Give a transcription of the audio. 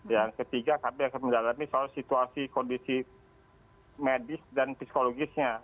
yang ketiga kami akan mendalami soal situasi kondisi medis dan psikologisnya